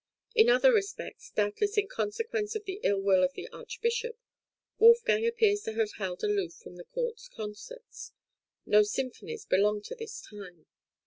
In other respects, doubtless in consequence of the ill will of the Archbishop, Wolfgang appears to have held aloof from the court concerts; no symphonies belong to this time.